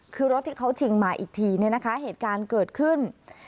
คือรถที่เขาชิงมาอีกทีเนี่ยนะคะเหตุการณ์เกิดขึ้น